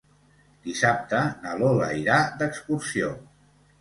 Dissabte na Lola irà d'excursió.